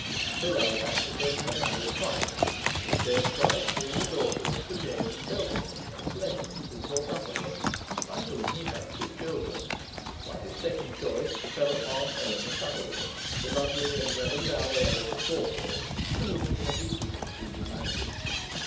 Sir Ralph Assheton had married twice, his first wife being a daughter of Sir James Bellingham of Levens, in Northumberland, by whom he had two children; while his second choice fell upon Eleanor Shuttleworth, the lovely and well endowed heiress of Gawthorpe, to whom he had been recently united.